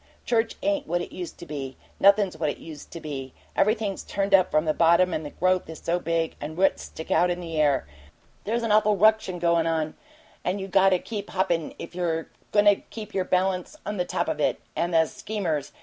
Church ain't what it used to be. Nothin's what it used to be everything's turned up from the bottom, and the growth is so big the roots stick out in the air. There's an awful ruction goin' on, and you got to keep hoppin' if you're goin' to keep your balance on the top of it. And the schemers!